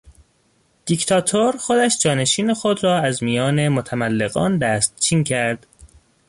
دیکتاتور خودش جانشین خود را از میان متملقان دستچین کرد.